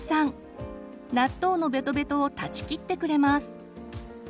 納豆のベトベトを断ち切ってくれます。